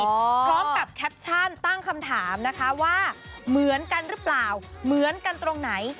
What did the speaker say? พร้อมกับแคปชั่นตั้งคำถามนะคะว่าเหมือนกันหรือเปล่าเหมือนกันตรงไหน